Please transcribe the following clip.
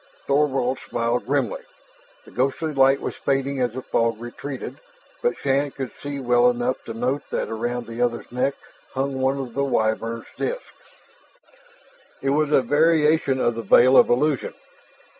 Thorvald smiled grimly. The ghostly light was fading as the fog retreated, but Shann could see well enough to note that around the other's neck hung one of the Wyvern disks. "It was a variation of the veil of illusion.